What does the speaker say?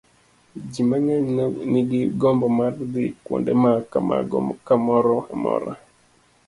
Ji mang'eny nigi gombo mar dhi kuonde ma kamago kamoro amora.